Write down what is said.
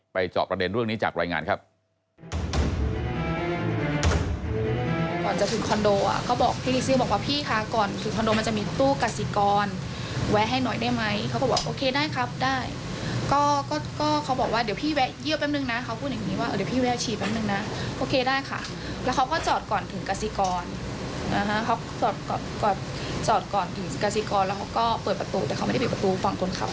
จอบประเด็นเรื่องนี้จากรายงานครับ